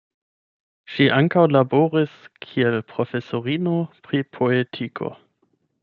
Ŝi ankaŭ laboris kiel profesorino pri poetiko.